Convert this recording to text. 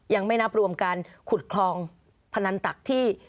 ยังไม่นับรวมการขุดคลองพนันตักที่